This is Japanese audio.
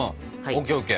ＯＫＯＫ。